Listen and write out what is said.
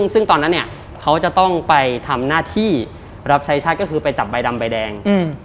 ซึ่งตอนนั้นเนี่ยเขาจะต้องไปทำหน้าที่รับใช้ชาติก็คือไปจับใบดำใบแดง